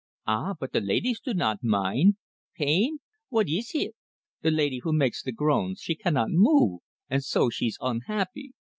"Ah, but the ladies do not mind! Pain? What ees eet? The lady who makes the groans, she cannot move, and so she ees unhappy.